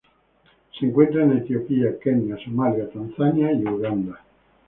Se encuentran en Etiopía, Kenia, Somalia, Tanzania y Uganda.